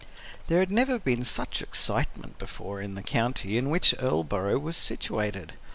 There never had been such excitement before in the county in which Erleboro was situated.